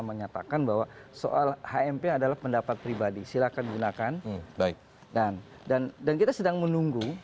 menyatakan bahwa soal hmp adalah pendapat pribadi silakan gunakan baik dan dan kita sedang menunggu